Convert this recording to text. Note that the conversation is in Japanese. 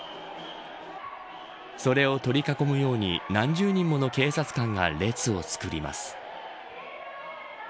それを取り囲むように何十人もの警察官が列を作ります。